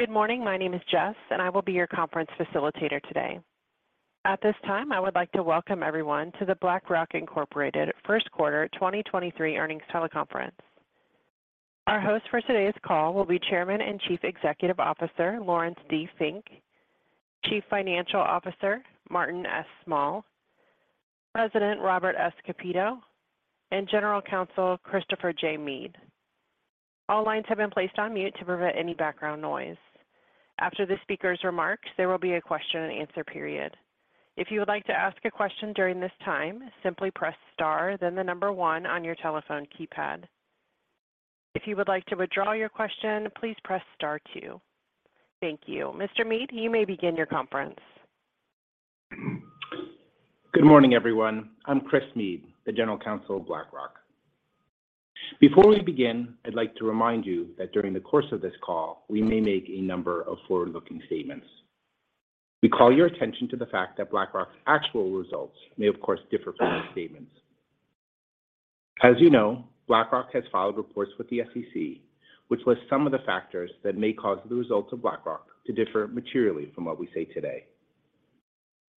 Good morning. My name is Jess, I will be your conference facilitator today. At this time, I would like to welcome everyone to the BlackRock, Inc. Q1 2023 Earnings Teleconference. Our host for today's call will be Chairman and Chief Executive Officer, Laurence D. Fink, Chief Financial Officer, Martin S. Small, President Robert S. Kapito, and General Counsel Christopher J. Meade. All lines have been placed on mute to prevent any background noise. After the speaker's remarks, there will be a Q&A period. If you would like to ask a question during this time, simply press star then the number one on your telephone keypad. If you would like to withdraw your question, please press star two. Thank you. Mr. Meade, you may begin your conference. Good morning, everyone. I'm Chris Meade, the General Counsel of BlackRock. Before we begin, I'd like to remind you that during the course of this call, we may make a number of forward-looking statements. We call your attention to the fact that BlackRock's actual results may, of course, differ from those statements. As you know, BlackRock has filed reports with the SEC, which lists some of the factors that may cause the results of BlackRock to differ materially from what we say today.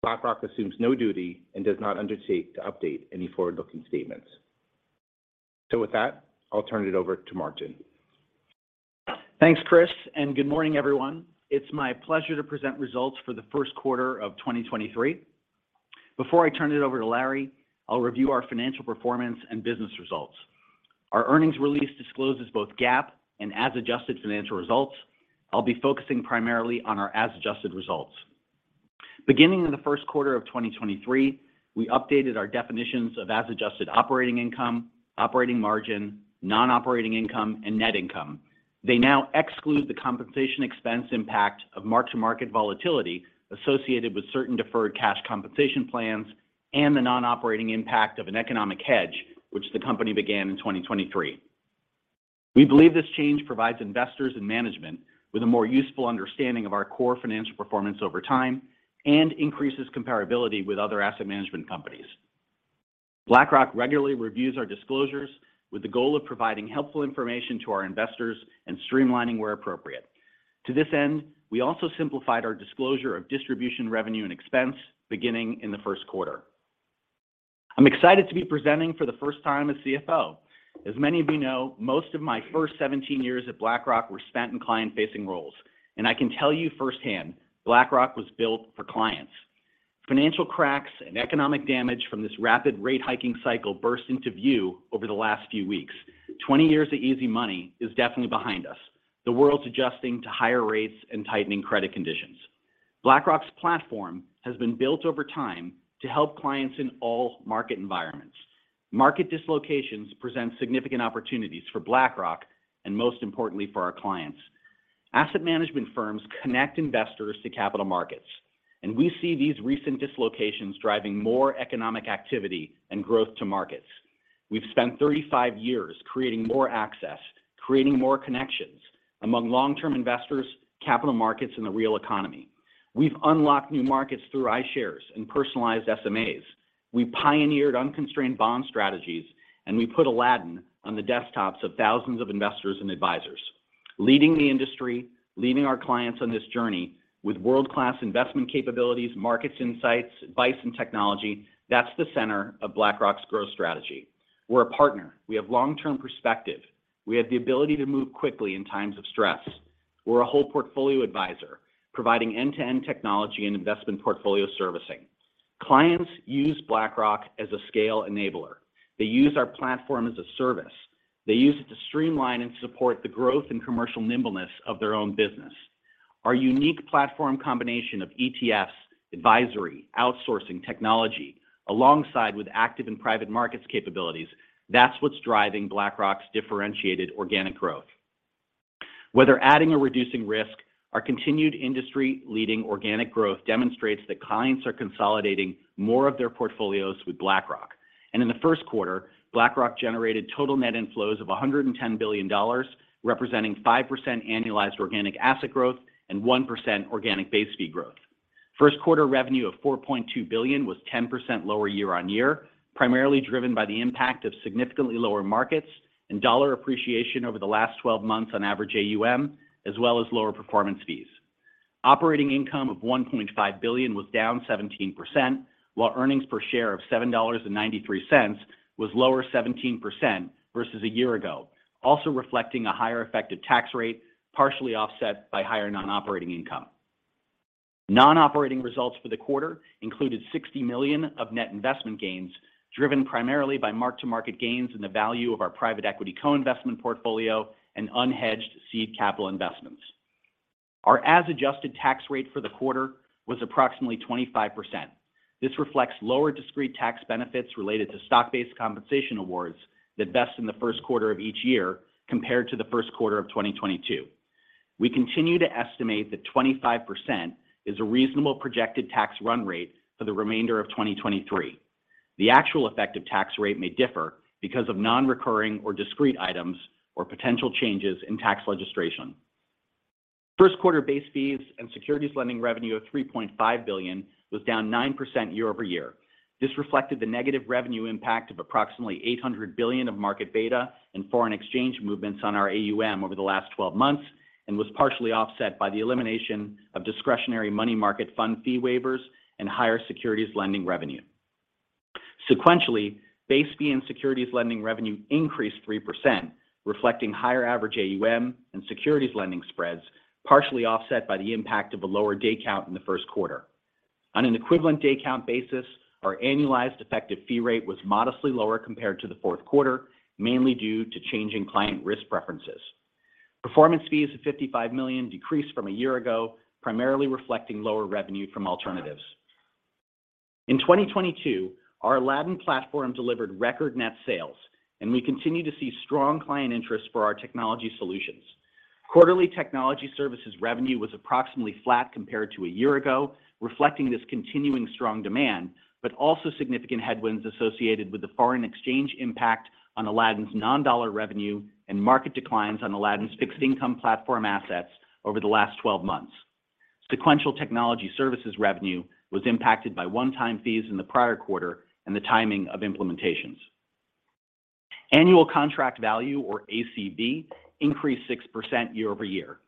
BlackRock assumes no duty and does not undertake to update any forward-looking statements. With that, I'll turn it over to Martin. Thanks, Chris. Good morning everyone. It's my pleasure to present results for the Q1 of 2023. Before I turn it over to Larry, I'll review our financial performance and business results. Our earnings release discloses both GAAP and as-adjusted financial results. I'll be focusing primarily on our as-adjusted results. Beginning in the Q1 of 2023, we updated our definitions of as-adjusted operating income, operating margin, non-operating income, and net income. They now exclude the compensation expense impact of mark-to-market volatility associated with certain deferred cash compensation plans and the non-operating impact of an economic hedge, which the company began in 2023. We believe this change provides investors and management with a more useful understanding of our core financial performance over time and increases comparability with other asset management companies. BlackRock regularly reviews our disclosures with the goal of providing helpful information to our investors and streamlining where appropriate. To this end, we also simplified our disclosure of distribution revenue and expense beginning in the Q1. I'm excited to be presenting for the first time as CFO. As many of you know, most of my first 17 years at BlackRock were spent in client-facing roles, and I can tell you firsthand, BlackRock was built for clients. Financial cracks and economic damage from this rapid rate hiking cycle burst into view over the last few weeks. 20 years of easy money is definitely behind us. The world's adjusting to higher rates and tightening credit conditions. BlackRock's platform has been built over time to help clients in all market environments. Market dislocations present significant opportunities for BlackRock and most importantly for our clients. Asset management firms connect investors to capital markets, and we see these recent dislocations driving more economic activity and growth to markets. We've spent 35 years creating more access, creating more connections among long-term investors, capital markets, and the real economy. We've unlocked new markets through iShares and personalized SMAs. We pioneered unconstrained bond strategies, and we put Aladdin on the desktops of thousands of investors and advisors. Leading the industry, leading our clients on this journey with world-class investment capabilities, markets insights, advice, and technology, that's the center of BlackRock's growth strategy. We're a partner. We have long-term perspective. We have the ability to move quickly in times of stress. We're a whole portfolio advisor, providing end-to-end technology and investment portfolio servicing. Clients use BlackRock as a scale enabler. They use our platform as a service. They use it to streamline and support the growth and commercial nimbleness of their own business. Our unique platform combination of ETFs, advisory, outsourcing technology, alongside with active and private markets capabilities, that's what's driving BlackRock's differentiated organic growth. Whether adding or reducing risk, our continued industry-leading organic growth demonstrates that clients are consolidating more of their portfolios with BlackRock. In the Q1, BlackRock generated total net inflows of $110 billion, representing 5% annualized organic asset growth and 1% organic base fee growth. Q1 revenue of $4.2 billion was 10% lower year-on-year, primarily driven by the impact of significantly lower markets and dollar appreciation over the last 12 months on average AUM, as well as lower performance fees. Operating income of $1.5 billion was down 17%, while earnings per share of $7.93 was lower 17% versus a year ago, also reflecting a higher effective tax rate, partially offset by higher non-operating income. Non-operating results for the quarter included $60 million of net investment gains, driven primarily by mark-to-market gains in the value of our private equity co-investment portfolio and unhedged seed capital investments. Our as-adjusted tax rate for the quarter was approximately 25%. This reflects lower discrete tax benefits related to stock-based compensation awards that vest in the 1st quarter of each year compared to the 1st quarter of 2022. We continue to estimate that 25% is a reasonable projected tax run rate for the remainder of 2023. The actual effective tax rate may differ because of non-recurring or discrete items or potential changes in tax legislation. Q1 base fees and securities lending revenue of $3.5 billion was down 9% year-over-year. This reflected the negative revenue impact of approximately $800 billion of market beta and foreign exchange movements on our AUM over the last 12 months, and was partially offset by the elimination of discretionary money market fund fee waivers and higher securities lending revenue. Sequentially, base fee and securities lending revenue increased 3%, reflecting higher average AUM and securities lending spreads, partially offset by the impact of a lower day count in the Q1. On an equivalent day count basis, our annualized effective fee rate was modestly lower compared to the Q4, mainly due to changing client risk preferences. Performance fees of $55 million decreased from a year ago, primarily reflecting lower revenue from alternatives. In 2022, our Aladdin platform delivered record net sales. We continue to see strong client interest for our technology solutions. Quarterly technology services revenue was approximately flat compared to a year ago, reflecting this continuing strong demand, but also significant headwinds associated with the foreign exchange impact on Aladdin's non-dollar revenue and market declines on Aladdin's fixed income platform assets over the last 12 months. Sequential technology services revenue was impacted by one-time fees in the prior quarter and the timing of implementations. Annual Contract Value, or ACV, increased 6% year-over-year.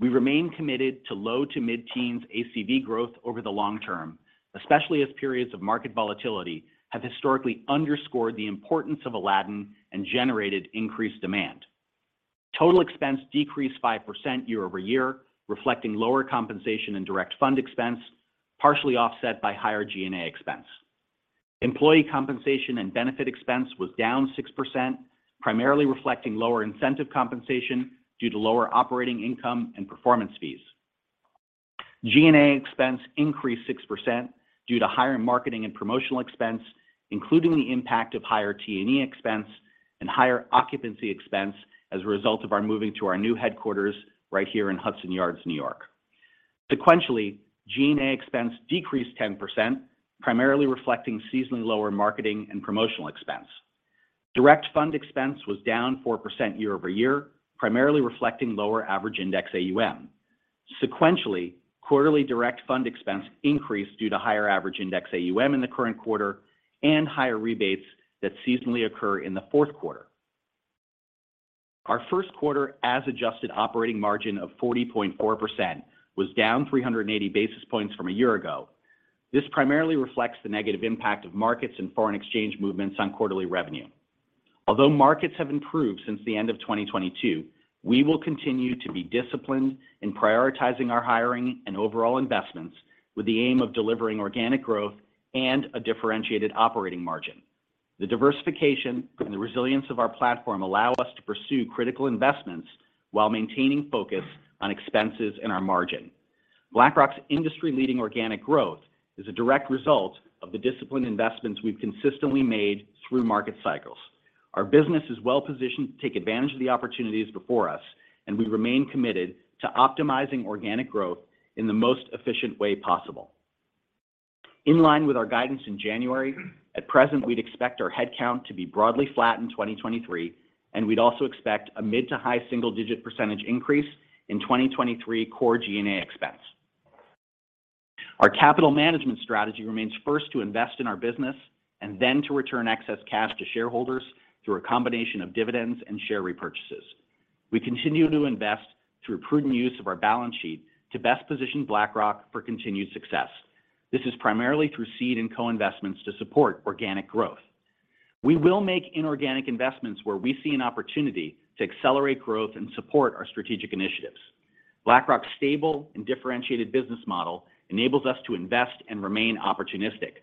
We remain committed to low to mid-teens ACV growth over the long term, especially as periods of market volatility have historically underscored the importance of Aladdin and generated increased demand. Total expense decreased 5% year-over-year, reflecting lower compensation and direct fund expense, partially offset by higher G&A expense. Employee compensation and benefit expense was down 6%, primarily reflecting lower incentive compensation due to lower operating income and performance fees. G&A expense increased 6% due to higher marketing and promotional expense, including the impact of higher T&E expense and higher occupancy expense as a result of our moving to our new headquarters right here in Hudson Yards, New York. Sequentially, G&A expense decreased 10%, primarily reflecting seasonally lower marketing and promotional expense. Direct fund expense was down 4% year-over-year, primarily reflecting lower average index AUM. Sequentially, quarterly direct fund expense increased due to higher average index AUM in the current quarter and higher rebates that seasonally occur in the Q4. Our Q1 as-adjusted operating margin of 40.4% was down 380 basis points from a year ago. This primarily reflects the negative impact of markets and foreign exchange movements on quarterly revenue. Although markets have improved since the end of 2022, we will continue to be disciplined in prioritizing our hiring and overall investments with the aim of delivering organic growth and a differentiated operating margin. The diversification and the resilience of our platform allow us to pursue critical investments while maintaining focus on expenses and our margin. BlackRock's industry-leading organic growth is a direct result of the disciplined investments we've consistently made through market cycles. Our business is well positioned to take advantage of the opportunities before us, and we remain committed to optimizing organic growth in the most efficient way possible. In line with our guidance in January, at present, we'd expect our head count to be broadly flat in 2023. We'd also expect a mid to high single-digit % increase in 2023 core G&A expense. Our capital management strategy remains first to invest in our business and then to return excess cash to shareholders through a combination of dividends and share repurchases. We continue to invest through prudent use of our balance sheet to best position BlackRock for continued success. This is primarily through seed and co-investments to support organic growth. We will make inorganic investments where we see an opportunity to accelerate growth and support our strategic initiatives. BlackRock's stable and differentiated business model enables us to invest and remain opportunistic.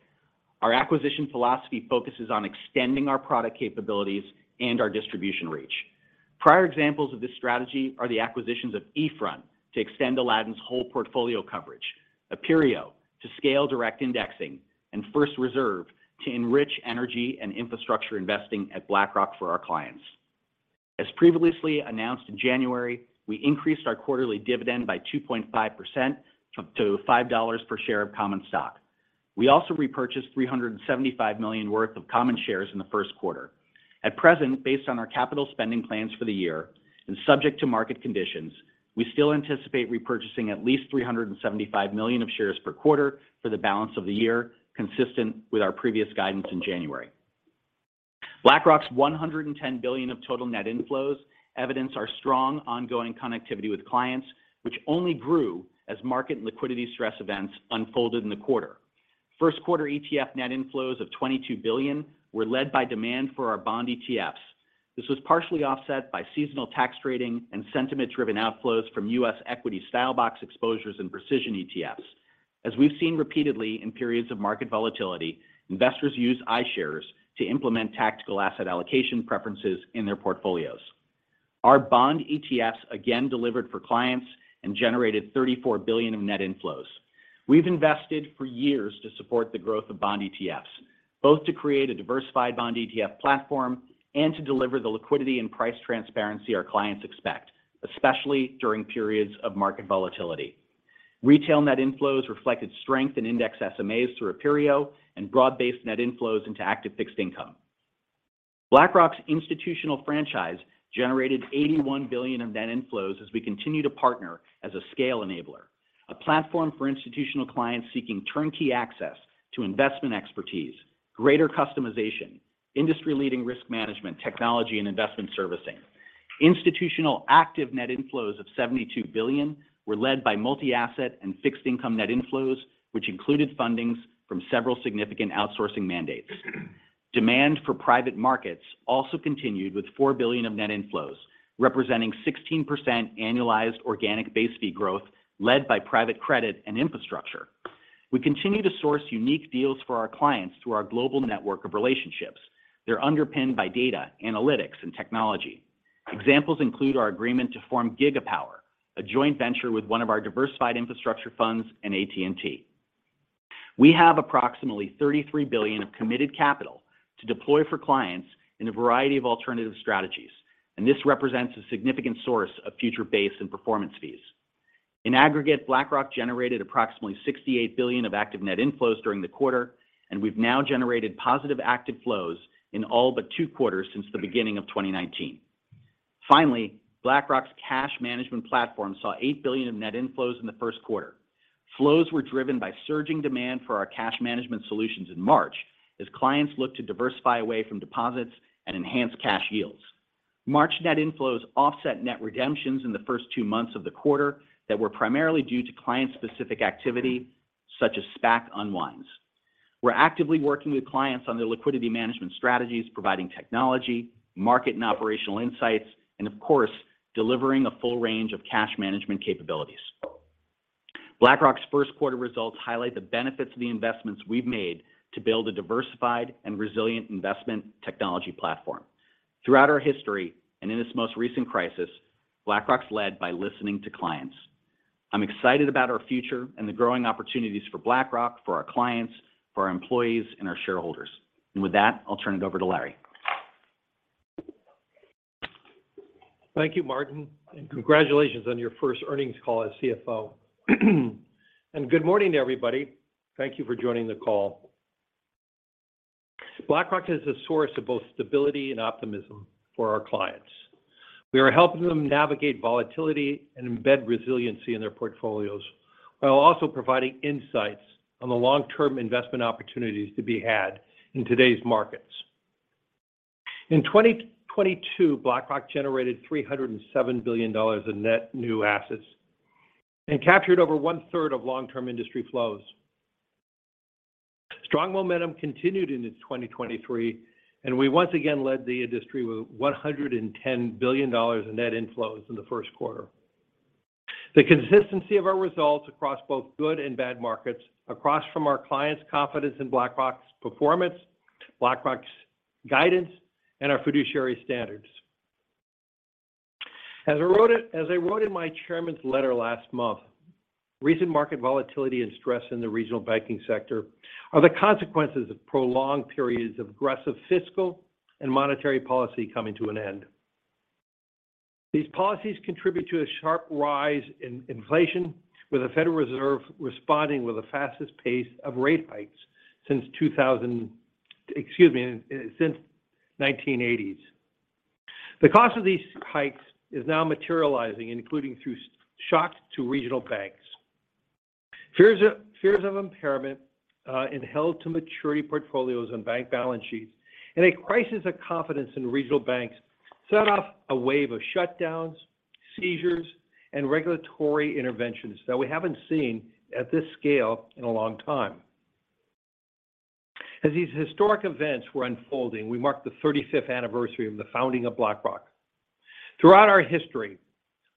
Our acquisition philosophy focuses on extending our product capabilities and our distribution reach. Prior examples of this strategy are the acquisitions of eFront to extend Aladdin's whole portfolio coverage, Aperio to scale direct indexing, and First Reserve to enrich energy and infrastructure investing at BlackRock for our clients. As previously announced in January, we increased our quarterly dividend by 2.5% to $5 per share of common stock. We also repurchased $375 million worth of common shares in the Q1. At present, based on our capital spending plans for the year and subject to market conditions, we still anticipate repurchasing at least $375 million of shares per quarter for the balance of the year, consistent with our previous guidance in January. BlackRock's $110 billion of total net inflows evidence our strong ongoing connectivity with clients, which only grew as market and liquidity stress events unfolded in the quarter. Q1 ETF net inflows of $22 billion were led by demand for our bond ETFs. This was partially offset by seasonal tax trading and sentiment driven outflows from U.S. equity style box exposures and precision ETFs. As we've seen repeatedly in periods of market volatility, investors use iShares to implement tactical asset allocation preferences in their portfolios. Our bond ETFs again delivered for clients and generated $34 billion of net inflows. We've invested for years to support the growth of bond ETFs, both to create a diversified bond ETF platform and to deliver the liquidity and price transparency our clients expect, especially during periods of market volatility. Retail net inflows reflected strength in index SMAs through Aperio and broad-based net inflows into active fixed income. BlackRock's institutional franchise generated $81 billion of net inflows as we continue to partner as a scale enabler. A platform for institutional clients seeking turnkey access to investment expertise, greater customization, industry-leading risk management technology and investment servicing. Institutional active net inflows of $72 billion were led by multi-asset and fixed income net inflows, which included fundings from several significant outsourcing mandates. Demand for private markets also continued with $4 billion of net inflows, representing 16% annualized organic base fee growth led by private credit and infrastructure. We continue to source unique deals for our clients through our global network of relationships. They're underpinned by data, analytics, and technology. Examples include our agreement to form Gigapower, a joint venture with one of our diversified infrastructure funds and AT&T. We have approximately $33 billion of committed capital to deploy for clients in a variety of alternative strategies. This represents a significant source of future base and performance fees. In aggregate, BlackRock generated approximately $68 billion of active net inflows during the quarter. We've now generated positive active flows in all but two quarters since the beginning of 2019. Finally, BlackRock's cash management platform saw $8 billion of net inflows in the Q1. Flows were driven by surging demand for our cash management solutions in March as clients looked to diversify away from deposits and enhance cash yields. March net inflows offset net redemptions in the first two months of the quarter that were primarily due to client-specific activity such as SPAC unwinds. We're actively working with clients on their liquidity management strategies, providing technology, market and operational insights, and of course, delivering a full range of cash management capabilities. BlackRock's Q1 results highlight the benefits of the investments we've made to build a diversified and resilient investment technology platform. Throughout our history, in this most recent crisis, BlackRock's led by listening to clients. I'm excited about our future and the growing opportunities for BlackRock, for our clients, for our employees, and our shareholders. With that, I'll turn it over to Larry. Thank you, Martin, and congratulations on your first earnings call as CFO. Good morning, everybody. Thank you for joining the call. BlackRock is a source of both stability and optimism for our clients. We are helping them navigate volatility and embed resiliency in their portfolios, while also providing insights on the long-term investment opportunities to be had in today's markets. In 2022, BlackRock generated $307 billion in net new assets and captured over 1/3 of long-term industry flows. Strong momentum continued into 2023, and we once again led the industry with $110 billion in net inflows in the Q1. The consistency of our results across both good and bad markets, across from our clients' confidence in BlackRock's performance, BlackRock's guidance, and our fiduciary standards. As I wrote in my Chairman's letter last month, recent market volatility and stress in the regional banking sector are the consequences of prolonged periods of aggressive fiscal and monetary policy coming to an end. These policies contribute to a sharp rise in inflation, with the Federal Reserve responding with the fastest pace of rate hikes since 2,000- excuse me, since the 1980s. The cost of these hikes is now materializing, including through shocks to regional banks. Fears of impairment in held to maturity portfolios and bank balance sheets, and a crisis of confidence in regional banks set off a wave of shutdowns, seizures, and regulatory interventions that we haven't seen at this scale in a long time. As these historic events were unfolding, we marked the 35th anniversary of the founding of BlackRock. Throughout our history,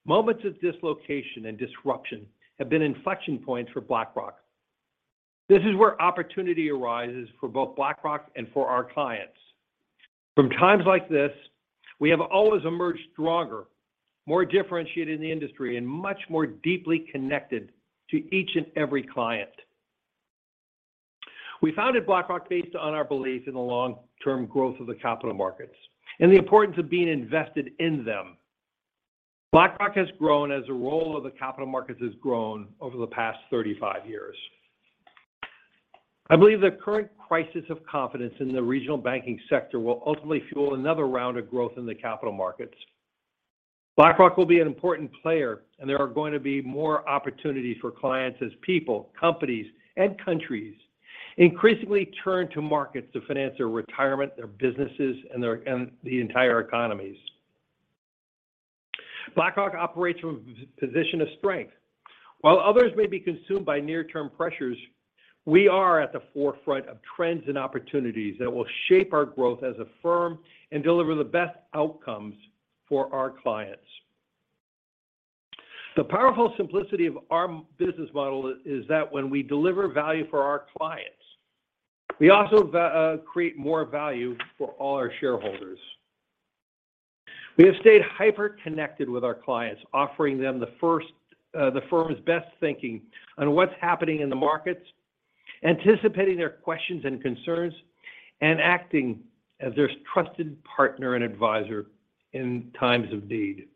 moments of dislocation and disruption have been inflection points for BlackRock. This is where opportunity arises for both BlackRock and for our clients. From times like this, we have always emerged stronger, more differentiated in the industry, and much more deeply connected to each and every client. We founded BlackRock based on our belief in the long-term growth of the capital markets and the importance of being invested in them. BlackRock has grown as the role of the capital markets has grown over the past 35 years. I believe the current crisis of confidence in the regional banking sector will ultimately fuel another round of growth in the capital markets. BlackRock will be an important player, and there are going to be more opportunities for clients as people, companies, and countries increasingly turn to markets to finance their retirement, their businesses, and the entire economies. BlackRock operates from a position of strength. While others may be consumed by near-term pressures, we are at the forefront of trends and opportunities that will shape our growth as a firm and deliver the best outcomes for our clients. The powerful simplicity of our business model is that when we deliver value for our clients, we also create more value for all our shareholders. We have stayed hyper-connected with our clients, offering them the first the firm's best thinking on what's happening in the markets, anticipating their questions and concerns, and acting as their trusted partner and advisor in times of need.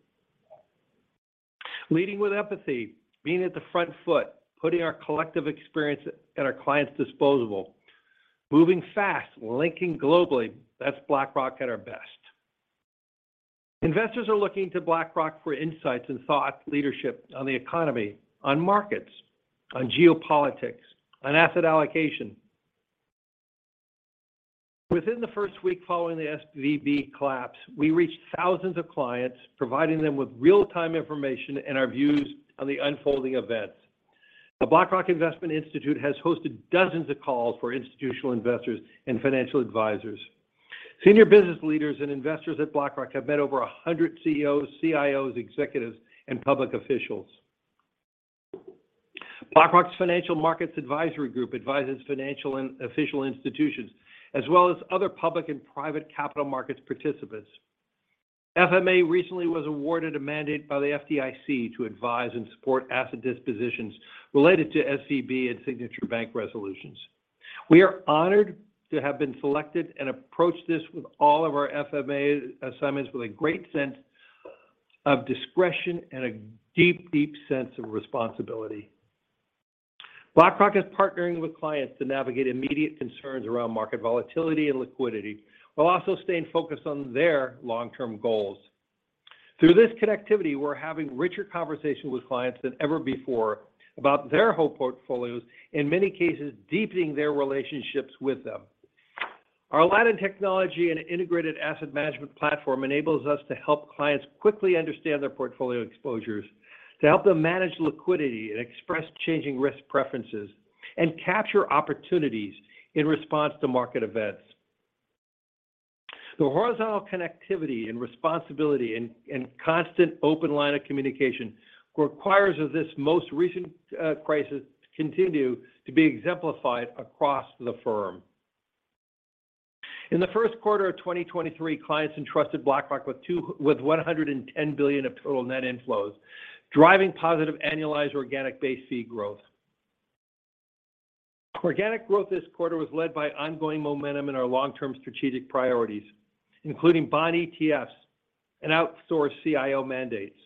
Leading with empathy, being at the front foot, putting our collective experience at our clients' disposal, moving fast, linking globally, that's BlackRock at our best. Investors are looking to BlackRock for insights and thought leadership on the economy, on markets, on geopolitics, on asset allocation. Within the first week following the SVB collapse, we reached thousands of clients, providing them with real-time information and our views on the unfolding events. The BlackRock Investment Institute has hosted dozens of calls for institutional investors and financial advisors. Senior business leaders and investors at BlackRock have met over 100 CEOs, CIOs, executives, and public officials. BlackRock's Financial Markets Advisory Group advises financial and official institutions, as well as other public and private capital markets participants. FMA recently was awarded a mandate by the FDIC to advise and support asset dispositions related to SVB and Signature Bank resolutions. We are honored to have been selected and approach this with all of our FMA assignments with a great sense of discretion and a deep sense of responsibility. BlackRock is partnering with clients to navigate immediate concerns around market volatility and liquidity, while also staying focused on their long-term goals. Through this connectivity, we're having richer conversations with clients than ever before about their whole portfolios, in many cases, deepening their relationships with them. Our Aladdin technology and integrated asset management platform enables us to help clients quickly understand their portfolio exposures, to help them manage liquidity and express changing risk preferences, and capture opportunities in response to market events. The horizontal connectivity and responsibility and constant open line of communication requires of this most recent crisis to continue to be exemplified across the firm. In the Q1 of 2023, clients entrusted BlackRock with $110 billion of total net inflows, driving positive annualized organic base fee growth. Organic growth this quarter was led by ongoing momentum in our long-term strategic priorities, including bond ETFs and outsourced CIO mandates.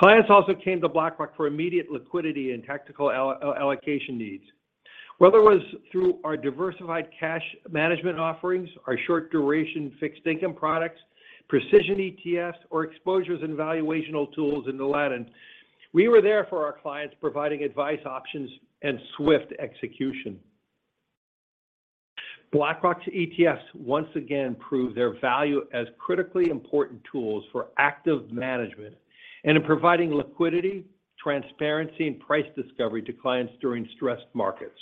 Clients also came to BlackRock for immediate liquidity and tactical allocation needs. Whether it was through our diversified cash management offerings, our short-duration fixed income products, precision ETFs, or exposures and valuational tools in Aladdin, we were there for our clients, providing advice, options, and swift execution. BlackRock's ETFs once again proved their value as critically important tools for active management and in providing liquidity, transparency, and price discovery to clients during stressed markets.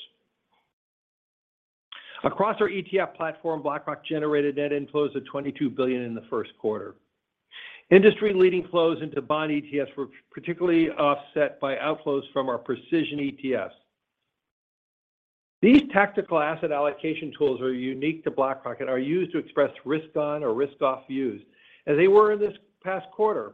Across our ETF platform, BlackRock generated net inflows of $22 billion in the Q1. Industry-leading flows into bond ETFs were particularly offset by outflows from our precision ETFs. These tactical asset allocation tools are unique to BlackRock and are used to express risk-on or risk-off views, as they were in this past quarter.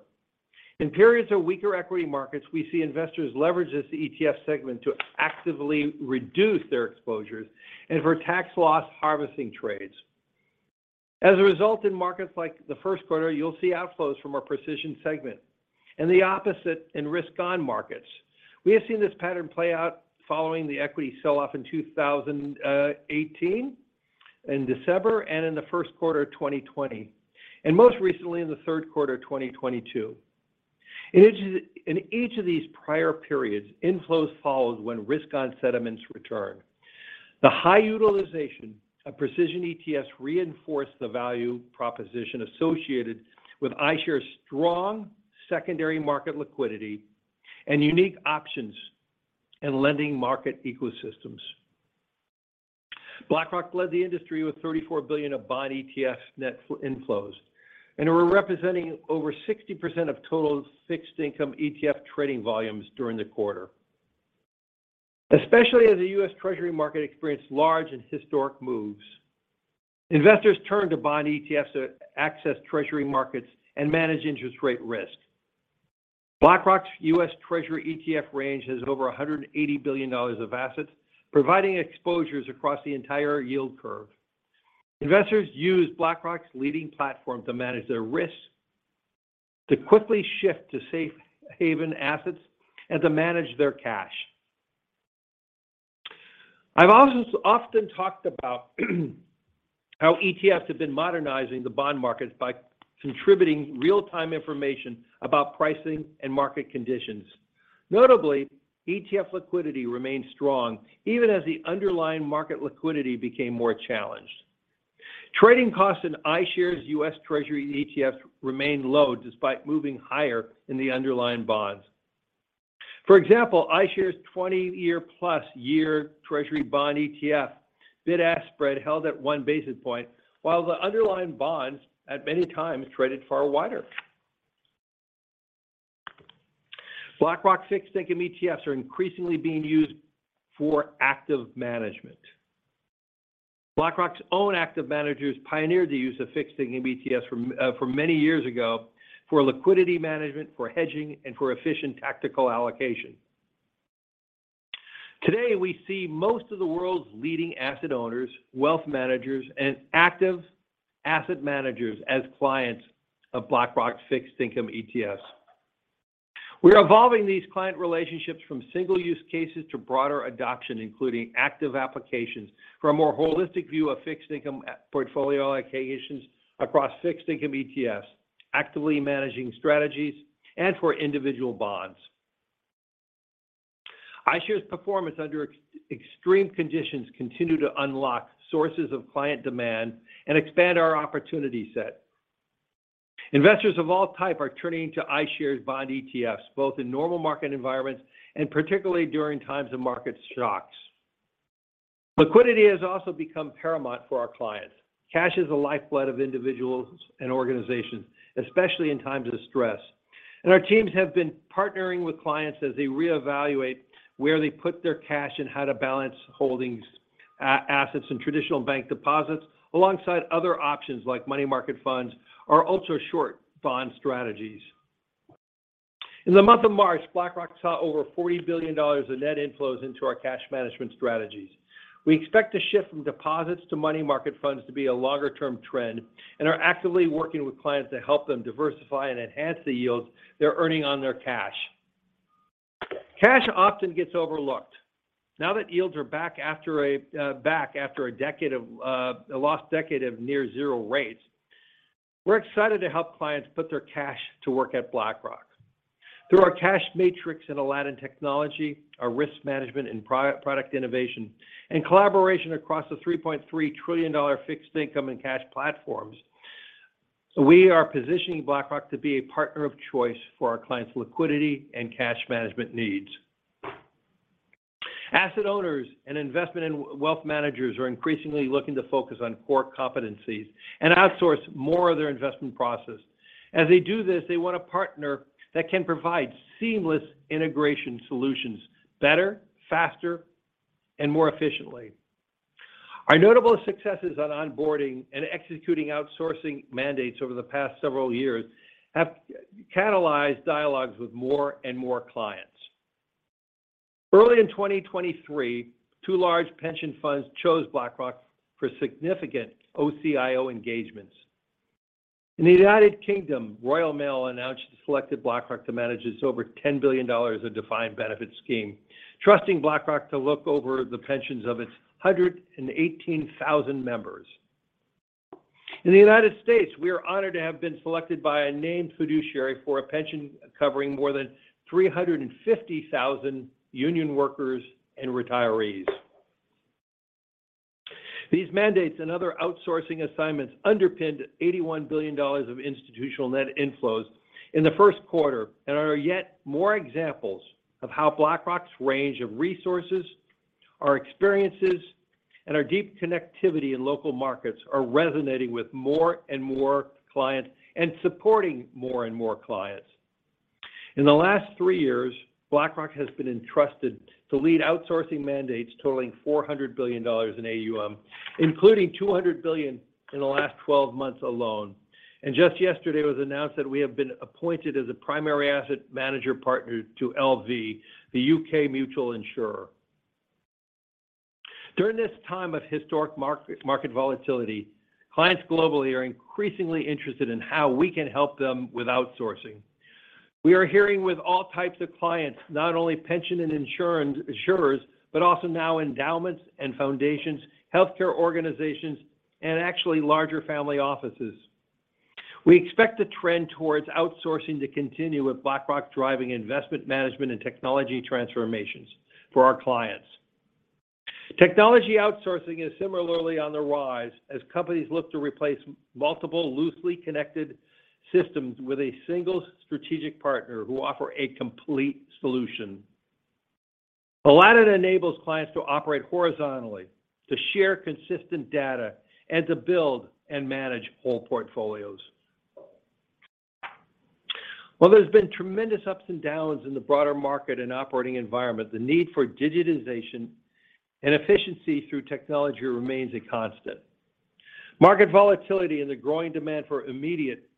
In periods of weaker equity markets, we see investors leverage this ETF segment to actively reduce their exposures and for tax loss harvesting trades. As a result, in markets like the Q1, you'll see outflows from our precision segment and the opposite in risk-on markets. We have seen this pattern play out following the equity sell-off in 2018 in December and in the Q1 of 2020, and most recently in the Q3 of 2022. In each of these prior periods, inflows followed when risk-on sentiments returned. The high utilization of precision ETFs reinforced the value proposition associated with iShares' strong secondary market liquidity and unique options in lending market ecosystems. BlackRock led the industry with $34 billion of bond ETF net inflows, and we're representing over 60% of total fixed income ETF trading volumes during the quarter. Especially as the US Treasury market experienced large and historic moves, investors turned to bond ETFs to access Treasury markets and manage interest rate risk. BlackRock's US Treasury ETF range has over $180 billion of assets, providing exposures across the entire yield curve. Investors used BlackRock's leading platform to manage their risks, to quickly shift to safe haven assets, and to manage their cash. I've also often talked about how ETFs have been modernizing the bond markets by contributing real-time information about pricing and market conditions. Notably, ETF liquidity remained strong even as the underlying market liquidity became more challenged. Trading costs in iShares' US Treasury ETFs remained low despite moving higher in the underlying bonds. For example, iShares' 20-year-plus year Treasury bond ETF bid-ask spread held at one basis point, while the underlying bonds at many times traded far wider. BlackRock fixed income ETFs are increasingly being used for active management. BlackRock's own active managers pioneered the use of fixed income ETFs from many years ago for liquidity management, for hedging, and for efficient tactical allocation. Today, we see most of the world's leading asset owners, wealth managers, and active asset managers as clients of BlackRock fixed income ETFs. We're evolving these client relationships from single use cases to broader adoption, including active applications for a more holistic view of fixed income portfolio allocations across fixed income ETFs, actively managing strategies, and for individual bonds. iShares performance under extreme conditions continue to unlock sources of client demand and expand our opportunity set. Investors of all type are turning to iShares bond ETFs, both in normal market environments and particularly during times of market shocks. Liquidity has also become paramount for our clients. Cash is the lifeblood of individuals and organizations, especially in times of stress. Our teams have been partnering with clients as they reevaluate where they put their cash and how to balance holdings, assets, and traditional bank deposits, alongside other options like money market funds or ultra-short bond strategies. In the month of March, BlackRock saw over $40 billion of net inflows into our cash management strategies. We expect the shift from deposits to money market funds to be a longer-term trend and are actively working with clients to help them diversify and enhance the yields they're earning on their cash. Cash often gets overlooked. Now that yields are back after a decade of a lost decade of near zero rates, we're excited to help clients put their cash to work at BlackRock. Through our Cachematrix and Aladdin technology, our risk management and product innovation, and collaboration across the $3.3 trillion fixed income and cash platforms, we are positioning BlackRock to be a partner of choice for our clients' liquidity and cash management needs. Asset owners and investment and wealth managers are increasingly looking to focus on core competencies and outsource more of their investment process. As they do this, they want a partner that can provide seamless integration solutions better, faster, and more efficiently. Our notable successes on onboarding and executing outsourcing mandates over the past several years have catalyzed dialogues with more and more clients. Early in 2023, two large pension funds chose BlackRock for significant OCIO engagements. In the U.K., Royal Mail announced it selected BlackRock to manage its over $10 billion of defined benefit scheme, trusting BlackRock to look over the pensions of its 118,000 members. In the U.S., we are honored to have been selected by a named fiduciary for a pension covering more than 350,000 union workers and retirees. These mandates and other outsourcing assignments underpinned $81 billion of institutional net inflows in the Q1 and are yet more examples of how BlackRock's range of resources, our experiences, and our deep connectivity in local markets are resonating with more and more client and supporting more and more clients. In the last three years, BlackRock has been entrusted to lead outsourcing mandates totaling $400 billion in AUM, including $200 billion in the last 12 months alone. Just yesterday, it was announced that we have been appointed as a primary asset manager partner to LV=, the UK mutual insurer. During this time of historic market volatility, clients globally are increasingly interested in how we can help them with outsourcing. We are hearing with all types of clients, not only pension and insurers, but also now endowments and foundations, healthcare organizations, and actually larger family offices. We expect the trend towards outsourcing to continue, with BlackRock driving investment management and technology transformations for our clients. Technology outsourcing is similarly on the rise as companies look to replace multiple loosely connected systems with a single strategic partner who offer a complete solution. Aladdin enables clients to operate horizontally, to share consistent data, and to build and manage whole portfolios. While there's been tremendous ups and downs in the broader market and operating environment, the need for digitization and efficiency through technology remains a constant. Market volatility and the growing demand for immediate,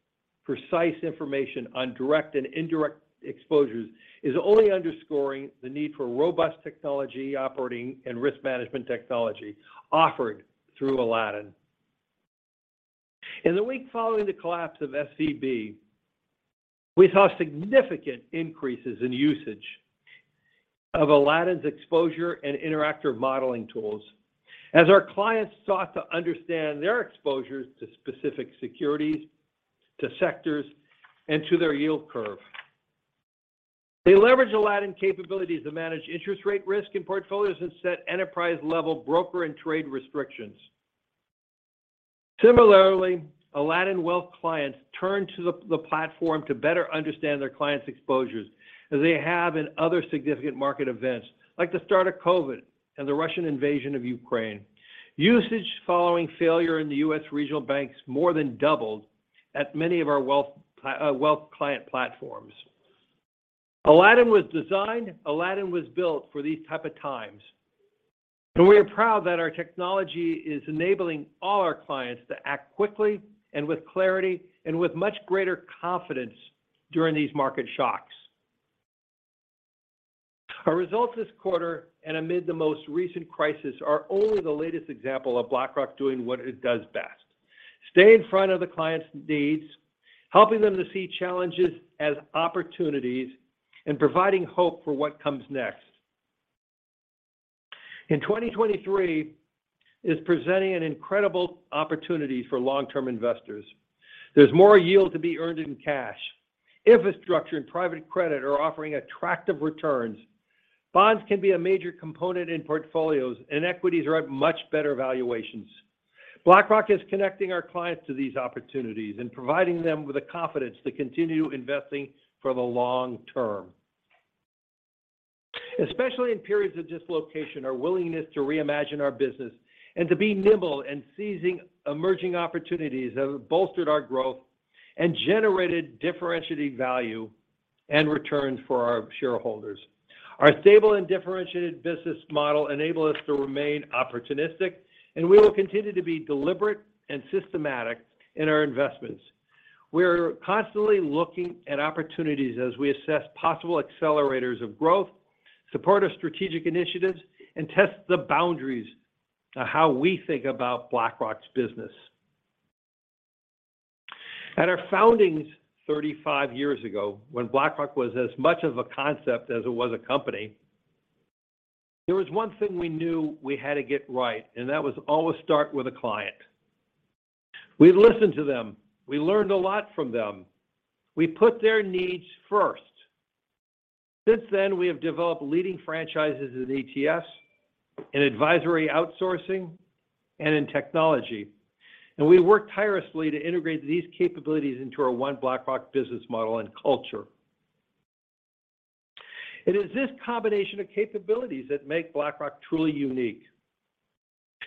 precise information on direct and indirect exposures is only underscoring the need for robust technology operating and risk management technology offered through Aladdin. In the week following the collapse of SVB, we saw significant increases in usage of Aladdin's exposure and interactive modeling tools as our clients sought to understand their exposures to specific securities, to sectors, and to their yield curve. They leveraged Aladdin capabilities to manage interest rate risk in portfolios and set enterprise-level broker and trade restrictions. Similarly, Aladdin wealth clients turned to the platform to better understand their clients' exposures, as they have in other significant market events, like the start of COVID and the Russian invasion of Ukraine. Usage following failure in the U.S. regional banks more than doubled at many of our wealth client platforms. Aladdin was designed- Aladdin was built for these type of times. We are proud that our technology is enabling all our clients to act quickly and with clarity and with much greater confidence during these market shocks. Our results this quarter and amid the most recent crisis are only the latest example of BlackRock doing what it does best. Staying in front of the clients' needs, helping them to see challenges as opportunities, and providing hope for what comes next. 2023 is presenting an incredible opportunity for long-term investors. There's more yield to be earned in cash. Infrastructure and private credit are offering attractive returns. Bonds can be a major component in portfolios. Equities are at much better valuations. BlackRock is connecting our clients to these opportunities and providing them with the confidence to continue investing for the long term. Especially in periods of dislocation, our willingness to reimagine our business and to be nimble in seizing emerging opportunities have bolstered our growth and generated differentiated value and returns for our shareholders. Our stable and differentiated business model enable us to remain opportunistic, and we will continue to be deliberate and systematic in our investments. We're constantly looking at opportunities as we assess possible accelerators of growth, support our strategic initiatives, and test the boundaries to how we think about BlackRock's business. At our founding 35 years ago, when BlackRock was as much of a concept as it was a company, there was one thing we knew we had to get right, and that was always start with a client. We listened to them. We learned a lot from them. We put their needs first. Since then, we have developed leading franchises in ETFs, in advisory outsourcing, and in technology. We worked tirelessly to integrate these capabilities into our One BlackRock business model and culture. It is this combination of capabilities that make BlackRock truly unique.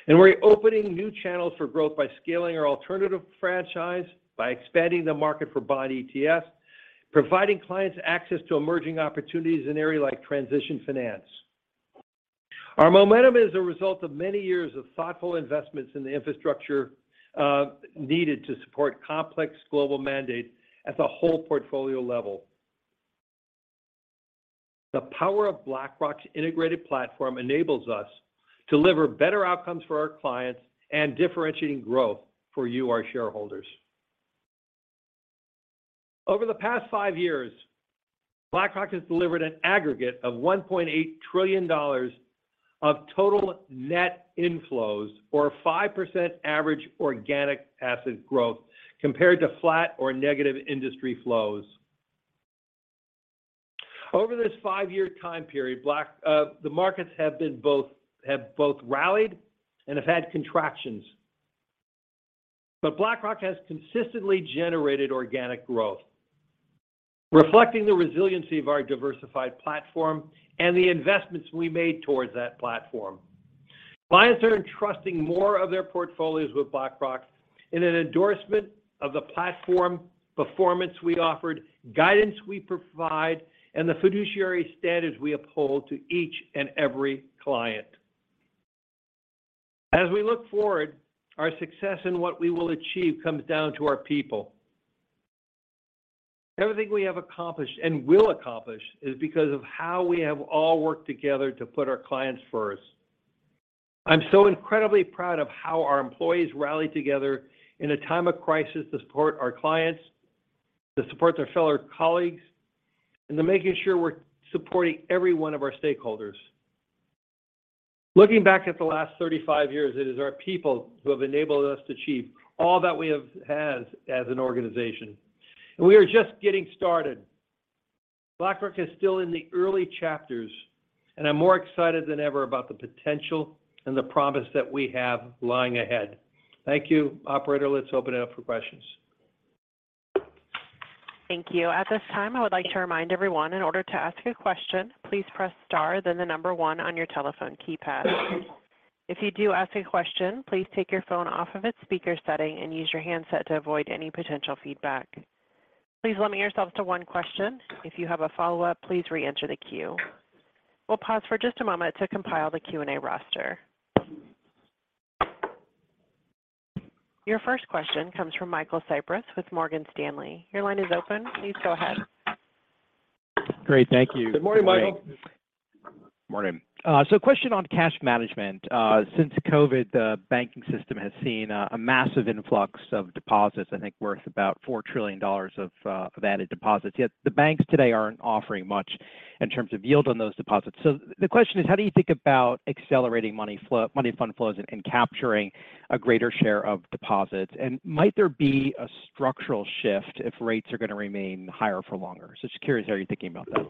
We're opening new channels for growth by scaling our alternative franchise, by expanding the market for bond ETFs, providing clients access to emerging opportunities in areas like transition finance. Our momentum is a result of many years of thoughtful investments in the infrastructure needed to support complex global mandates at the whole portfolio level. The power of BlackRock's integrated platform enables us to deliver better outcomes for our clients and differentiating growth for you, our shareholders. Over the past five years, BlackRock has delivered an aggregate of $1.8 trillion of total net inflows or 5% average organic asset growth compared to flat or negative industry flows. Over this five-year time period, the markets have both rallied and have had contractions. BlackRock has consistently generated organic growth, reflecting the resiliency of our diversified platform and the investments we made towards that platform. Clients are entrusting more of their portfolios with BlackRock in an endorsement of the platform performance we offered, guidance we provide, and the fiduciary standards we uphold to each and every client. As we look forward, our success in what we will achieve comes down to our people. Everything we have accomplished and will accomplish is because of how we have all worked together to put our clients first. I'm so incredibly proud of how our employees rallied together in a time of crisis to support our clients, to support their fellow colleagues, and to making sure we're supporting every one of our stakeholders. Looking back at the last 35 years, it is our people who have enabled us to achieve all that we have had as an organization. We are just getting started. BlackRock is still in the early chapters, I'm more excited than ever about the potential and the promise that we have lying ahead. Thank you. Operator, let's open it up for questions. Thank you. At this time, I would like to remind everyone in order to ask a question, please press star, then the number one on your telephone keypad. If you do ask a question, please take your phone off of its speaker setting and use your handset to avoid any potential feedback. Please limit yourselves to one question. If you have a follow-up, please reenter the queue. We'll pause for just a moment to compile the Q&A roster. Your first question comes from Michael Cyprys with Morgan Stanley. Your line is open. Please go ahead. Great. Thank you. Good morning, Michael. Morning. Question on cash management. Since COVID, the banking system has seen a massive influx of deposits, I think worth about $4 trillion of added deposits. Yet the banks today aren't offering much in terms of yield on those deposits. The question is, how do you think about accelerating money fund flows and capturing a greater share of deposits? Might there be a structural shift if rates are gonna remain higher for longer? Just curious how you're thinking about that.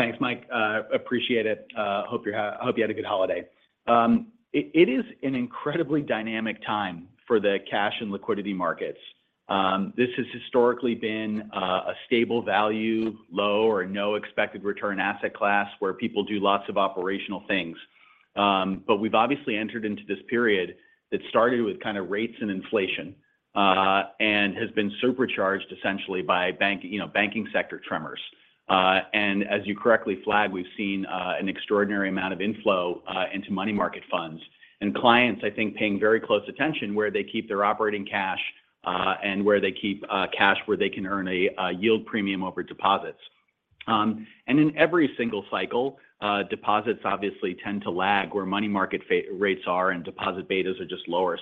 Thanks, Mike. Appreciate it. Hope you had a good holiday. It is an incredibly dynamic time for the cash and liquidity markets. This has historically been a stable value, low or no expected return asset class where people do lots of operational things. We've obviously entered into this period that started with kind of rates and inflation and has been supercharged essentially by bank, you know, banking sector tremors. As you correctly flagged, we've seen an extraordinary amount of inflow into money market funds. Clients, I think, paying very close attention where they keep their operating cash, ans where they keep cash where they can earn a yield premium over deposits. In every single cycle, deposits obviously tend to lag where money market rates are, and deposit betas are just lower.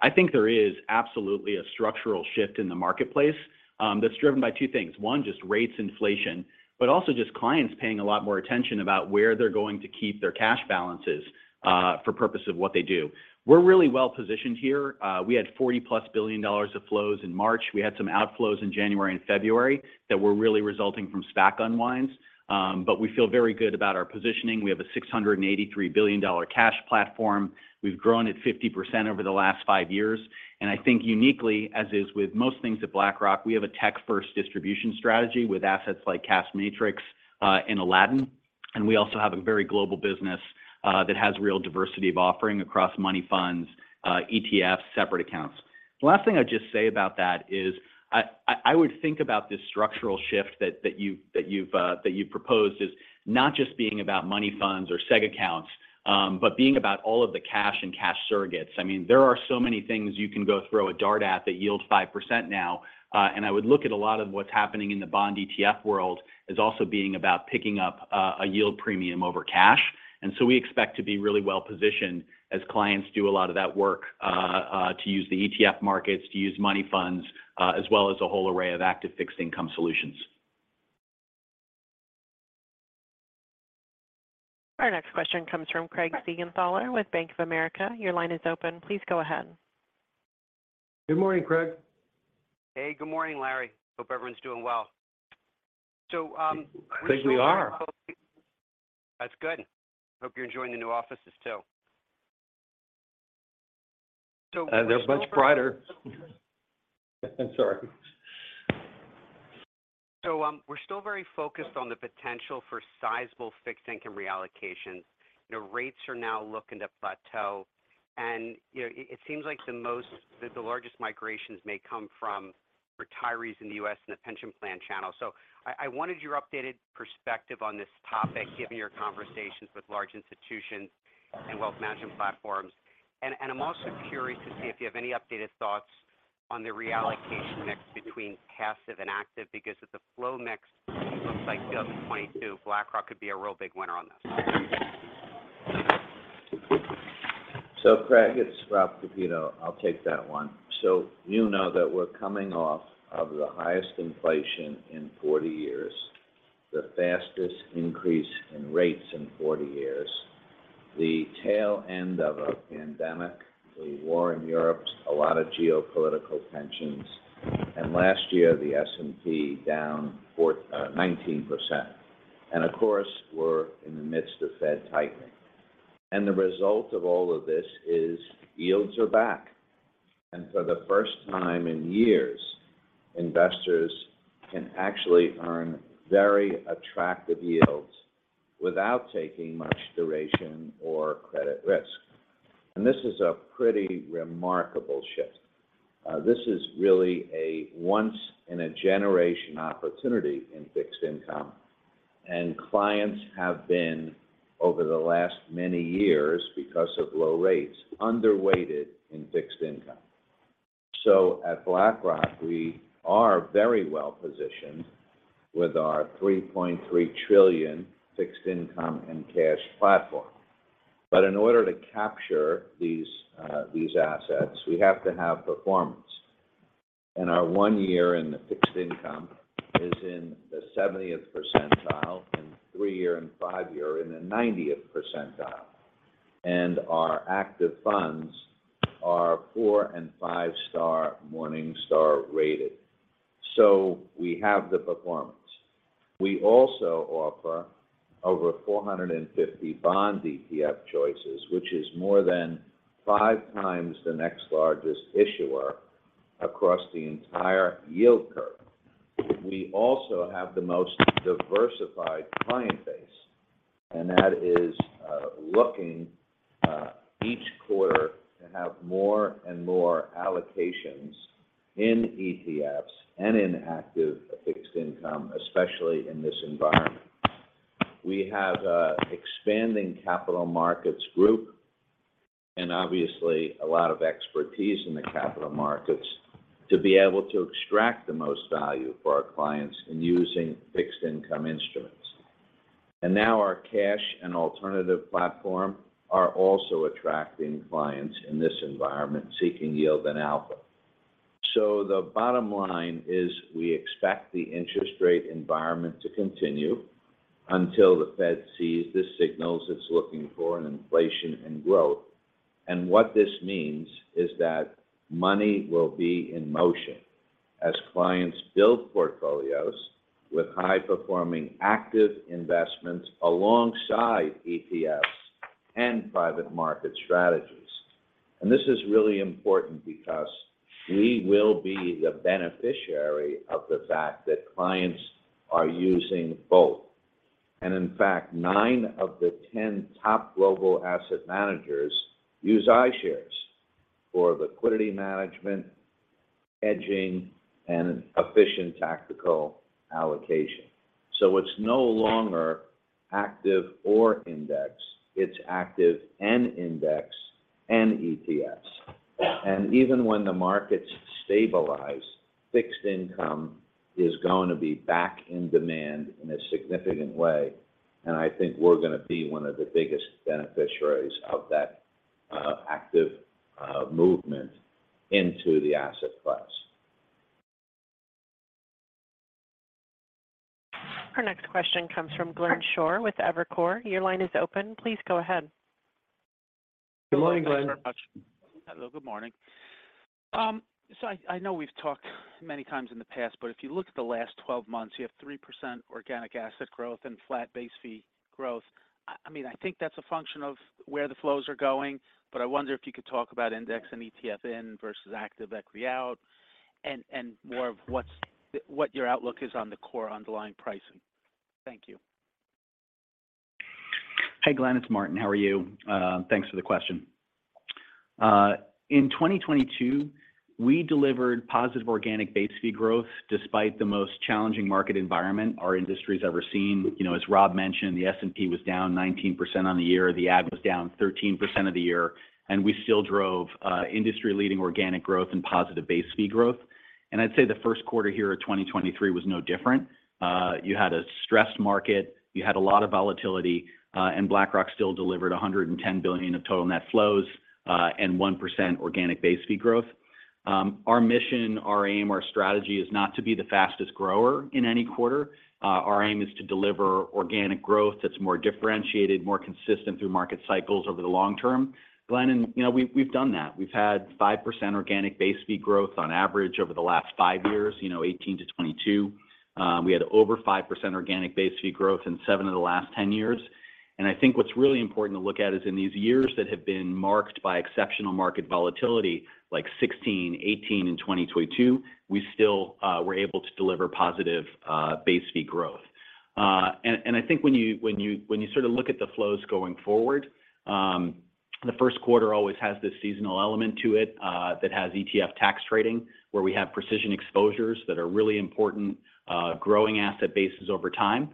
I think there is absolutely a structural shift in the marketplace that's driven by two things. One, just rates inflation, but also just clients paying a lot more attention about where they're going to keep their cash balances for purpose of what they do. We're really well-positioned here. We had $40+ billion of flows in March. We had some outflows in January and February that were really resulting from SPAC unwinds. We feel very good about our positioning. We have a $683 billion cash platform. We've grown at 50% over the last 5 years. I think uniquely, as is with most things at BlackRock, we have a tech-first distribution strategy with assets like Cachematrix and Aladdin. We also have a very global business that has real diversity of offering across money funds, ETFs, separate accounts. The last thing I'd just say about that is I would think about this structural shift that you've proposed as not just being about money funds or seg accounts, but being about all of the cash and cash surrogates. I mean, there are so many things you can go throw a dart at that yield 5% now. I would look at a lot of what's happening in the bond ETF world as also being about picking up a yield premium over cash. We expect to be really well-positioned as clients do a lot of that work, to use the ETF markets, to use money funds, as well as a whole array of active fixed income solutions. Our next question comes from Craig Siegenthaler with Bank of America. Your line is open. Please go ahead. Good morning, Craig. Hey, good morning, Larry. Hope everyone's doing well. I think we are. That's good. Hope you're enjoying the new offices too. They're much brighter. Sorry. We're still very focused on the potential for sizable fixed income reallocations. You know, rates are now looking to plateau, and, you know, it seems like the largest migrations may come from retirees in the U.S. and the pension plan channel. I wanted your updated perspective on this topic, given your conversations with large institutions and wealth management platforms. I'm also curious to see if you have any updated thoughts on the reallocation mix between passive and active, because if the flow mix looks like 2022, BlackRock could be a real big winner on this. Craig, it's Rob Kapito. I'll take that one. You know that we're coming off of the highest inflation in 40 years, the fastest increase in rates in 40 years, the tail end of a pandemic, a war in Europe, a lot of geopolitical tensions. Last year, the S&P down 19%. Of course, we're in the midst of Fed tightening. The result of all of this is yields are back. For the first time in years, investors can actually earn very attractive yields without taking much duration or credit risk. This is a pretty remarkable shift. This is really a once-in-a-generation opportunity in fixed income. Clients have been, over the last many years, because of low rates, underweighted in fixed income. At BlackRock, we are very well-positioned with our $3.3 trillion fixed income and cash platform. In order to capture these assets, we have to have performance. Our one year in the fixed income is in the 70th percentile, and three-year and five-year in the 90th percentile. Our active funds are four and five-star Morningstar rated. We have the performance. We also offer over 450 bond ETF choices, which is more than 5x the next largest issuer across the entire yield curve. We also have the most diversified client base, and that is looking each quarter to have more and more allocations in ETFs and in active fixed income, especially in this environment. We have a expanding capital markets group and obviously a lot of expertise in the capital markets to be able to extract the most value for our clients in using fixed income instruments. Now our cash and alternative platform are also attracting clients in this environment seeking yield and alpha. The bottom line is we expect the interest rate environment to continue until the Fed sees the signals it's looking for in inflation and growth. What this means is that money will be in motion as clients build portfolios with high-performing active investments alongside ETFs and private market strategies. This is really important because we will be the beneficiary of the fact that clients are using both. In fact, nine of the ten top global asset managers use iShares for liquidity management, hedging, and efficient tactical allocation. It's no longer active or index. It's active and index and ETFs. Even when the markets stabilize, fixed income is going to be back in demand in a significant way, and I think we're gonna be one of the biggest beneficiaries of that active movement into the asset class. Our next question comes from Glenn Schorr with Evercore. Your line is open. Please go ahead. Good morning, Glenn. Thanks very much. Hello, good morning. I know we've talked many times in the past, but if you look at the last 12 months, you have 3% organic asset growth and flat base fee growth. I mean, I think that's a function of where the flows are going, but I wonder if you could talk about index and ETF in versus active equity out and more of what your outlook is on the core underlying pricing. Thank you. Hey, Glenn, it's Martin. How are you? Thanks for the question. In 2022, we delivered positive organic base fee growth despite the most challenging market environment our industry's ever seen. You know, as Rob mentioned, the S&P was down 19% on the year. The ACV was down 13% of the year, and we still drove industry-leading organic growth and positive base fee growth. I'd say the Q1 here of 2023 was no different. You had a stressed market, you had a lot of volatility, and BlackRock still delivered $110 billion of total net flows and 1% organic base fee growth. Our mission, our aim, our strategy is not to be the fastest grower in any quarter. Our aim is to deliver organic growth that's more differentiated, more consistent through market cycles over the long term. Glenn, you know, we've done that. We've had 5% organic base fee growth on average over the last 5 years, you know, 2018-2022. We had over 5% organic base fee growth in seven of the last 10 years. I think what's really important to look at is in these years that have been marked by exceptional market volatility like 2016, 2018, and 2022, we still were able to deliver positive base fee growth. I think when you sort of look at the flows going forward, the Q1 always has this seasonal element to it, that has ETF tax trading where we have precision exposures that are really important, growing asset bases over time.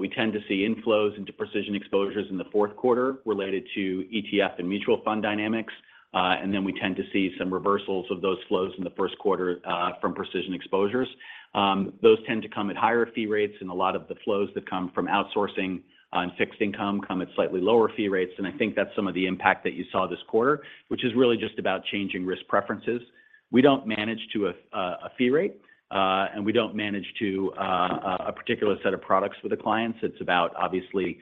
We tend to see inflows into precision exposures in the Q4 related to ETF and mutual fund dynamics. We tend to see some reversals of those flows in the Q1 from precision exposures. Those tend to come at higher fee rates, a lot of the flows that come from outsourcing on fixed income come at slightly lower fee rates, and I think that's some of the impact that you saw this quarter, which is really just about changing risk preferences. We don't manage to a fee rate. We don't manage to a particular set of products for the clients. It's about obviously,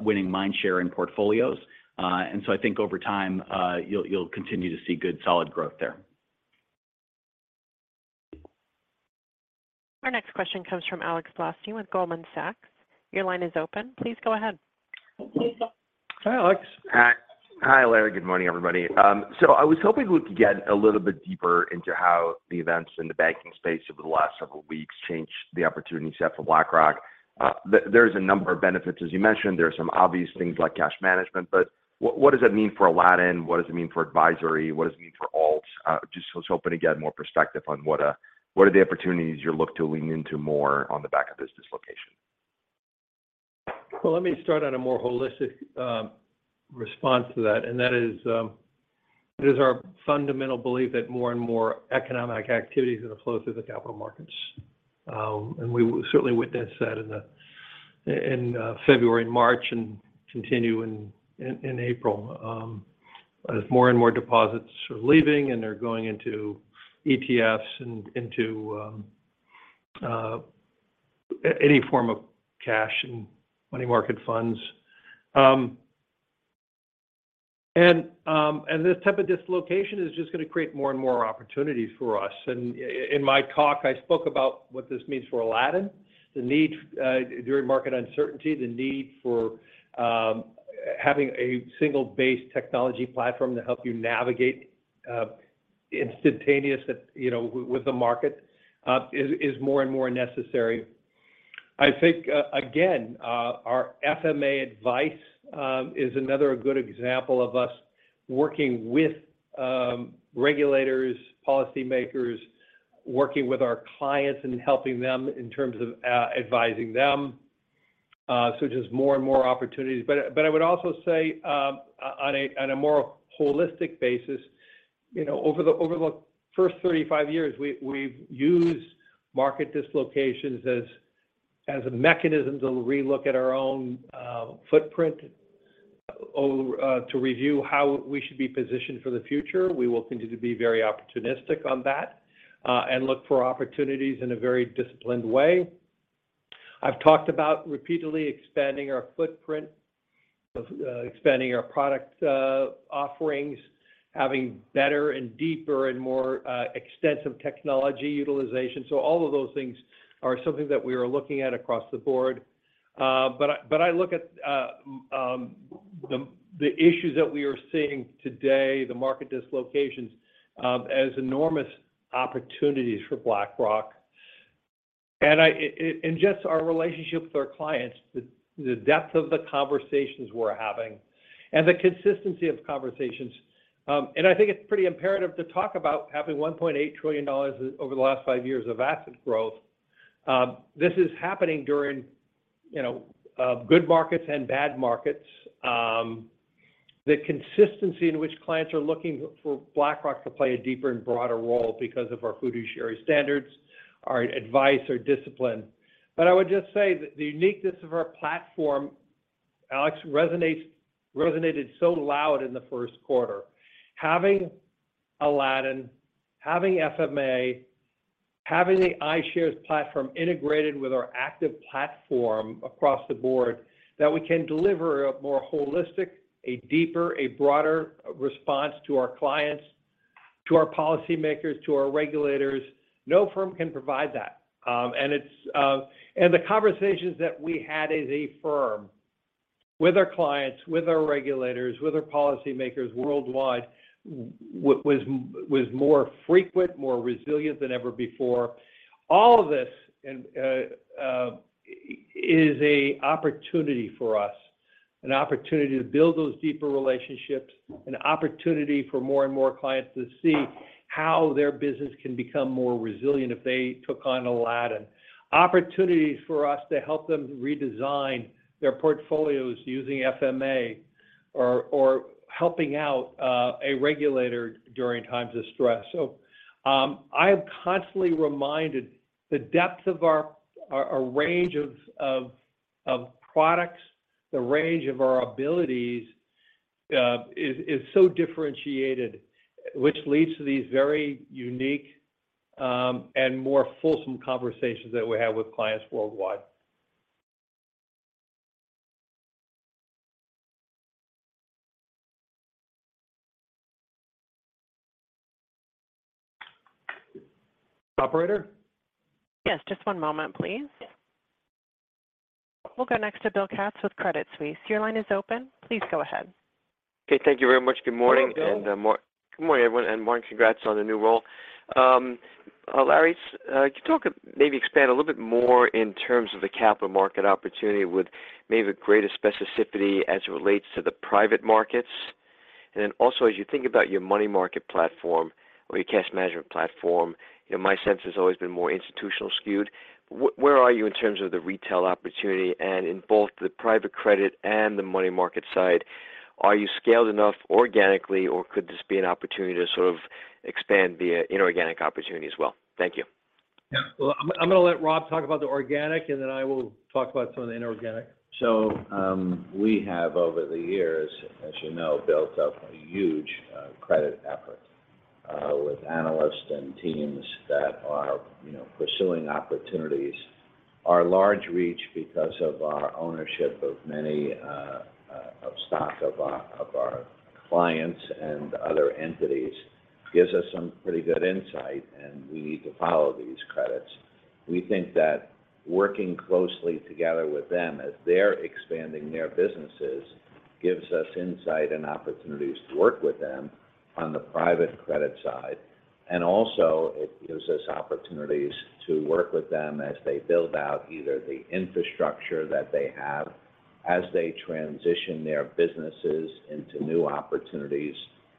winning mind share and portfolios. I think over time, you'll continue to see good, solid growth there. Our next question comes from Alexander Blostein with Goldman Sachs. Your line is open. Please go ahead. Hi, Alex. Hi. Hi, Larry. Good morning, everybody. I was hoping we could get a little bit deeper into how the events in the banking space over the last several weeks changed the opportunity set for BlackRock. There's a number of benefits, as you mentioned. There are some obvious things like cash management, but what does that mean for Aladdin? What does it mean for advisory? What does it mean for alts? Just was hoping to get more perspective on what are the opportunities you look to lean into more on the back of this dislocation. Well, let me start on a more holistic response to that, and that is, it is our fundamental belief that more and more economic activities are going to flow through the capital markets. We certainly witnessed that in February and March and continue in April, as more and more deposits are leaving and they're going into ETFs and into any form of cash and money market funds. This type of dislocation is just gonna create more and more opportunities for us. In my talk, I spoke about what this means for Aladdin, the need during market uncertainty, the need for having a single base technology platform to help you navigate instantaneous at, you know, with the market, is more and more necessary. I think, again, our FMA advice is another good example of us working with regulators, policymakers, working with our clients and helping them in terms of advising them. Just more and more opportunities. I would also say, on a more holistic basis, you know, over the first 35 years, we've used market dislocations as a mechanism to relook at our own footprint or to review how we should be positioned for the future. We will continue to be very opportunistic on that and look for opportunities in a very disciplined way. I've talked about repeatedly expanding our footprint, expanding our product offerings, having better and deeper and more extensive technology utilization. All of those things are something that we are looking at across the board. But I, but I look at the issues that we are seeing today, the market dislocations, as enormous opportunities for BlackRock. Just our relationship with our clients, the depth of the conversations we're having and the consistency of conversations. I think it's pretty imperative to talk about having $1.8 trillion over the last five years of asset growth. This is happening during, you know, good markets and bad markets. The consistency in which clients are looking for BlackRock to play a deeper and broader role because of our fiduciary standards, our advice, our discipline. I would just say that the uniqueness of our platform, Alex, resonated so loud in the Q1. Having Aladdin, having FMA, having the iShares platform integrated with our active platform across the board, that we can deliver a more holistic, a deeper, a broader response to our clients, to our policymakers, to our regulators. No firm can provide that. The conversations that we had as a firm with our clients, with our regulators, with our policymakers worldwide was more frequent, more resilient than ever before. All of this is an opportunity for us, an opportunity to build those deeper relationships, an opportunity for more and more clients to see how their business can become more resilient if they took on Aladdin. Opportunities for us to help them redesign their portfolios using FMA or helping out a regulator during times of stress. I am constantly reminded the depth of our range of products, the range of our abilities is so differentiated, which leads to these very unique and more fulsome conversations that we have with clients worldwide. Operator? Yes, just one moment, please. We'll go next to Bill Katz with Credit Suisse. Your line is open. Please go ahead. Okay. Thank you very much. Good morning. Hello, Bill. Good morning, everyone, and Martin, congrats on the new role. Larry, could you maybe expand a little bit more in terms of the capital market opportunity with maybe the greatest specificity as it relates to the private markets? Also, as you think about your money market platform or your cash management platform, you know, my sense has always been more institutional skewed. Where are you in terms of the retail opportunity? In both the private credit and the money market side, are you scaled enough organically, or could this be an opportunity to sort of expand via inorganic opportunity as well? Thank you. Yeah. Well, I'm gonna let Rob talk about the organic. Then I will talk about some of the inorganic. We have, over the years, as you know, built up a huge credit effort with analysts and teams that are, you know, pursuing opportunities. Our large reach because of our ownership of many of stock of our clients and other entities gives us some pretty good insight, and we need to follow these credits. We think that working closely together with them as they're expanding their businesses gives us insight and opportunities to work with them on the private credit side. It gives us opportunities to work with them as they build out either the infrastructure that they have. As they transition their businesses into new opportunities,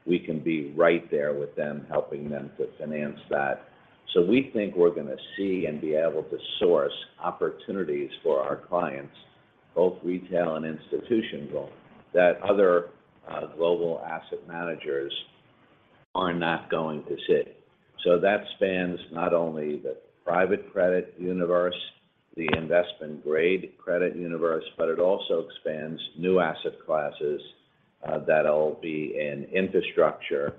we can be right there with them, helping them to finance that. We think we're going to see and be able to source opportunities for our clients, both retail and institutional, that other global asset managers are not going to see. That spans not only the private credit universe, the investment grade credit universe, but it also expands new asset classes that'll be in infrastructure,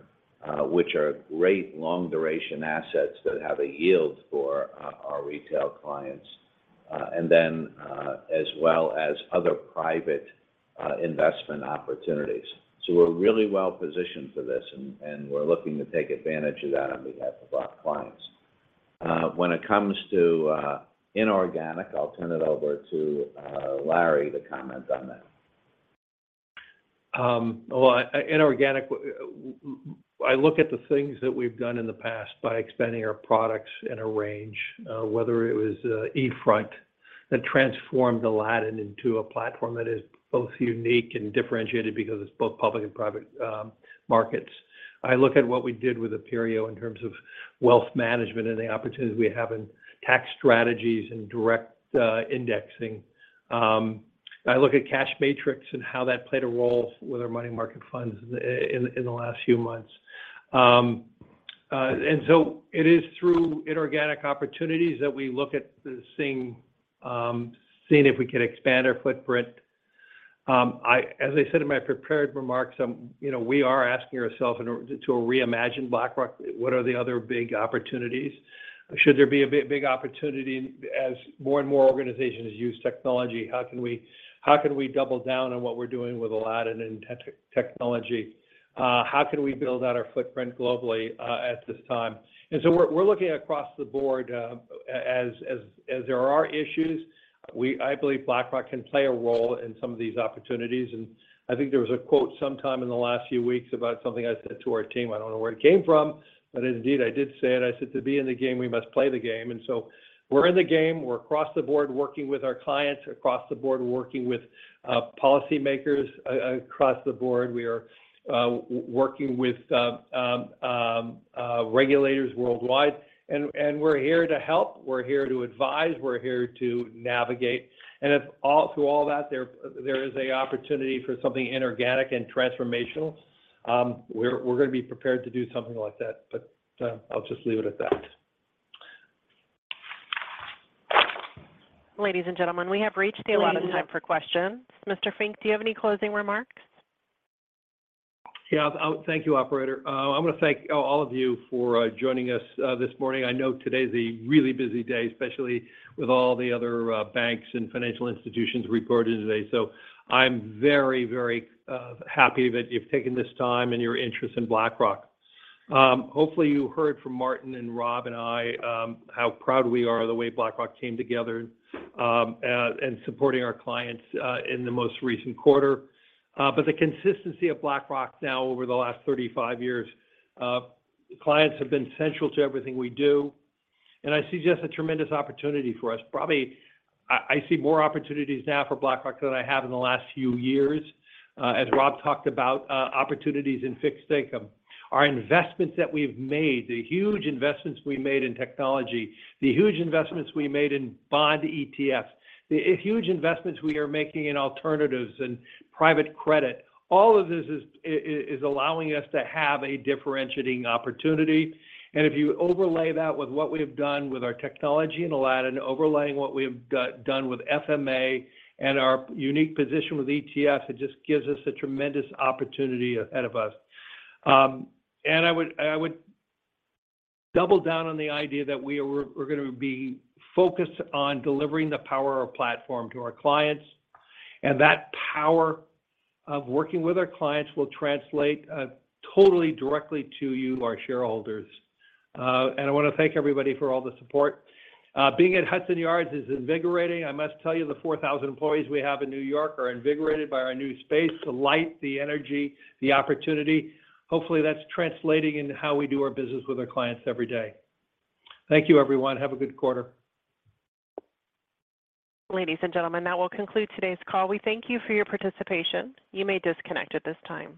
which are great long duration assets that have a yield for our retail clients, and then, as well as other private investment opportunities. We're really well positioned for this, and we're looking to take advantage of that on behalf of our clients. When it comes to inorganic, I'll turn it over to Larry to comment on that. Well, inorganic, I look at the things that we've done in the past by expanding our products in a range, whether it was eFront that transformed Aladdin into a platform that is both unique and differentiated because it's both public and private markets. I look at what we did with Aperio in terms of wealth management and the opportunities we have in tax strategies and direct indexing. I look at Cachematrix and how that played a role with our money market funds in the last few months. So it is through inorganic opportunities that we look at seeing if we can expand our footprint. I, as I said in my prepared remarks, you know, we are asking ourselves to reimagine BlackRock, what are the other big opportunities? Should there be a big opportunity as more and more organizations use technology, how can we, how can we double down on what we're doing with Aladdin in technology? How can we build out our footprint globally at this time? We're, we're looking across the board as there are issues. We, I believe BlackRock can play a role in some of these opportunities. I think there was a quote sometime in the last few weeks about something I said to our team. I don't know where it came from, but indeed I did say it. I said, "To be in the game, we must play the game." We're in the game. We're across the board working with our clients, across the board working with policymakers, across the board we are working with regulators worldwide. We're here to help. We're here to advise. We're here to navigate. If all, through all that there is a opportunity for something inorganic and transformational, we're gonna be prepared to do something like that. I'll just leave it at that. Ladies and gentlemen, we have reached the end of time for questions. Mr. Fink, do you have any closing remarks? Yeah. Thank you, operator. I wanna thank all of you for joining us this morning. I know today's a really busy day, especially with all the other banks and financial institutions reporting today. I'm very happy that you've taken this time and your interest in BlackRock. Hopefully you heard from Martin and Rob and I how proud we are of the way BlackRock came together in supporting our clients in the most recent quarter. The consistency of BlackRock now over the last 35 years, clients have been central to everything we do, and I see just a tremendous opportunity for us. Probably I see more opportunities now for BlackRock than I have in the last few years. As Rob talked about, opportunities in fixed income, our investments that we've made, the huge investments we made in technology, the huge investments we made in bond ETFs, the huge investments we are making in alternatives and private credit. All of this is allowing us to have a differentiating opportunity. And if you overlay that with what we have done with our technology in Aladdin, overlaying what we have done with FMA and our unique position with ETFs, it just gives us a tremendous opportunity ahead of us. And I would double down on the idea that we're gonna be focused on delivering the power of platform to our clients, and that power of working with our clients will translate, totally directly to you, our shareholders. And I wanna thank everybody for all the support. Being at Hudson Yards is invigorating. I must tell you, the 4,000 employees we have in New York are invigorated by our new space, the light, the energy, the opportunity. Hopefully, that's translating into how we do our business with our clients every day. Thank you, everyone. Have a good quarter. Ladies and gentlemen, that will conclude today's call. We thank you for your participation. You may disconnect at this time.